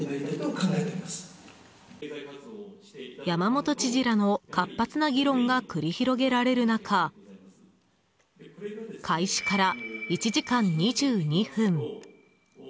山本知事らの活発な議論が繰り広げられる中開始から１時間２２分。